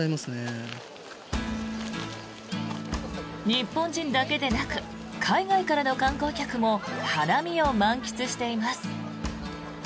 日本人だけでなく海外からの観光客も花見を満喫しています。